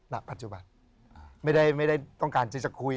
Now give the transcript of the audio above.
ณปัจจุบันไม่ได้ต้องการที่จะคุย